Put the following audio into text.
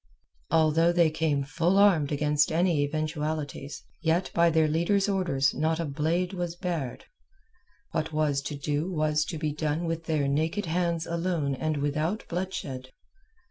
Although they came full armed against any eventualities, yet by their leader's orders not a blade was bared. What was to do was to be done with their naked hands alone and without bloodshed.